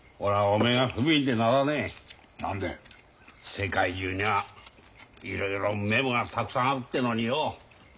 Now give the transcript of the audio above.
世界中にはいろいろうめえもんがたくさんあるってえのによ